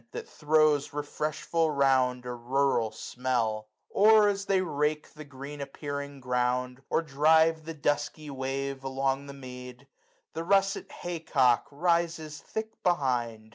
That throws refreshful round a rural smell : Or, as they rake the green appearing ground, 365 And drive the dusky wave along the mead. The russet hay cock rises thick behind.